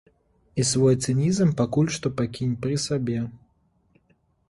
І свой цынізм пакуль што пакінь пры сабе.